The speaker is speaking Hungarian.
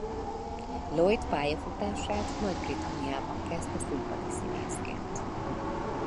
Lloyd pályafutását Nagy-Britanniában kezdte színpadi színészként.